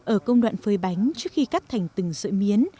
ở công đoạn phơi bánh trước khi cắt thành từng sợi miến